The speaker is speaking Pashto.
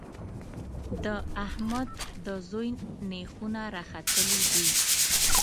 د احمد د زوی نېښونه راختلي دي.